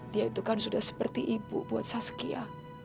dia itu kan sudah seperti ibu buat saskia